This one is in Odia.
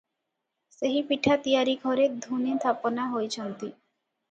ସେହି ପିଠା ତିଆରି ଘରେ ଧୂନି ଥାପନା ହୋଇଛନ୍ତି ।